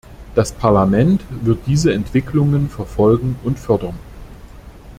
Das Parlament wird diese Entwicklungen verfolgen und fördern.